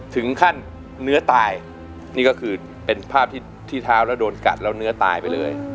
ถึงขั้นเนื้อตายนี่ก็คือเป็นภาพที่เท้าแล้วโดนกัดแล้วเนื้อตายไปเลย